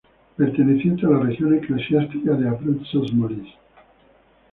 Perteneciente a la región eclesiástica de Abruzos-Molise.